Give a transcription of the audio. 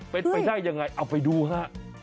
เป็นไปได้ยังไงเอาไปดูฮะ